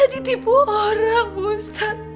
saya ditipu orang ustaz